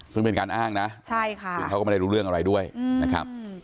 ซึ่งเป็นการอ้างนะใช่ค่ะซึ่งเขาก็ไม่ได้รู้เรื่องอะไรด้วยนะครับ